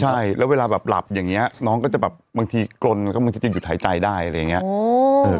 ใช่แล้วเวลาแบบหลับอย่างนี้น้องก็จะแบบบางทีกลนก็มันจะหยุดหายใจได้อะไรอย่างนี้